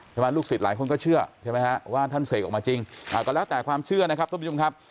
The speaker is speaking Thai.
ลูกศิษย์หลายคนก็เชื่อใช่ไหมฮะว่าท่านเสกออกมาจริงก็แล้วแต่ความเชื่อนะครับทุกผู้ชมครับ